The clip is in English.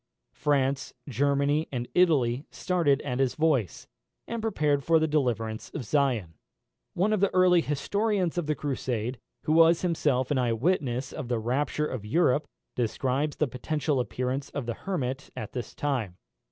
France, Germany, and Italy started at his voice, and prepared for the deliverance of Zion. One of the early historians of the Crusade, who was himself an eye witness of the rapture of Europe, describes the personal appearance of the Hermit at this time.